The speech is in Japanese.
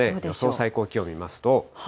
予想最高気温見ますと。